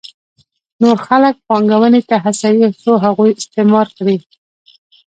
نور خلک پانګونې ته هڅوي څو هغوی استثمار کړي